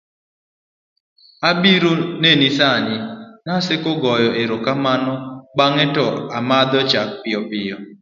obiro neni sani, Naseko nogoyo erokamano bang'e to omadho chak piyo piyo